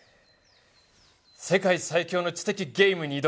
世界最強の知的ゲームに挑む女性２人。